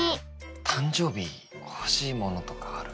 誕生日欲しいものとかある？